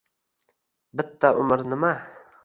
Bitta umr nima?!